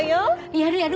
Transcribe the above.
やるやる！